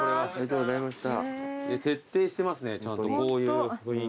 徹底してますねちゃんとこういう雰囲気。